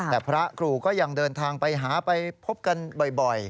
แต่พระครูก็ยังเดินทางไปหาไปพบกันบ่อย